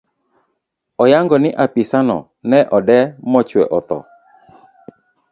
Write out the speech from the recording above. Oyango ni apisano ne odee mochwe othoo.